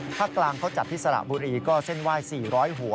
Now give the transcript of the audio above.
ภาคกลางเขาจัดที่สระบุรีก็เส้นไหว้๔๐๐หัว